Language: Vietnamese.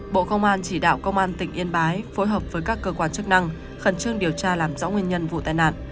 bộ công an chỉ đạo công an tỉnh yên bái phối hợp với các cơ quan chức năng khẩn trương điều tra làm rõ nguyên nhân vụ tai nạn